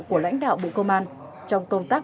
của lãnh đạo bộ công an trong công tác